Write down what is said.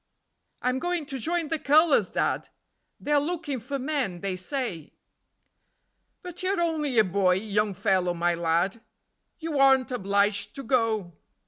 "I'm going to join the Colours, Dad; They're looking for men, they say." "But you're only a boy, Young Fellow My Lad; You aren't obliged to go."